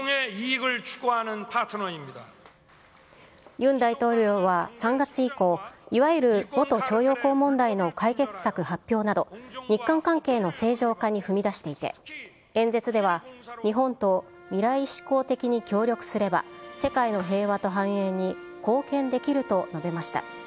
ユン大統領は３月以降、いわゆる元徴用工問題の解決策発表など、日韓関係の正常化に踏み出していて、演説では、日本と未来志向的に協力すれば、世界の平和と繁栄に貢献できると述べました。